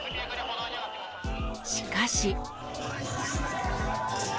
しかし。